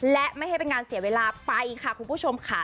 และไม่ให้เป็นการเสียเวลาไปค่ะคุณผู้ชมค่ะ